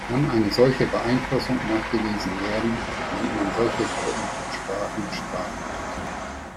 Kann eine solche Beeinflussung nachgewiesen werden, nennt man solche Gruppen von Sprachen Sprachbund.